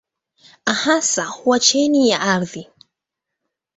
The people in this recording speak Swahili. Hasa huwa chini ya ardhi.